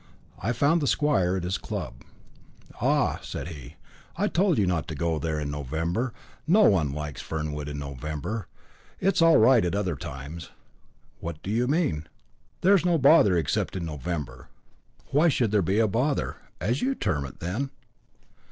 I found the squire at his club. "Ah!" said he, "I told you not to go there in November. No one likes Fernwood in November; it is all right at other times." "What do you mean?" "There is no bother except in November." "Why should there be bother, as you term it, then?"